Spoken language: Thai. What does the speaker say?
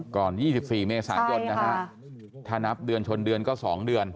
๒๔เมษายนนะฮะถ้านับเดือนชนเดือนก็๒เดือน